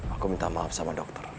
aku minta maaf sama dokter